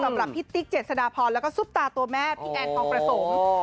สำหรับพี่ติ๊กเจษฎาพรแล้วก็ซุปตาตัวแม่พี่แอนทองประสงค์